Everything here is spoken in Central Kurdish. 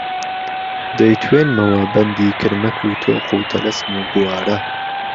دهيتوێنمهوه بهندی کرمەک و تۆق و تهلهسم و گوواره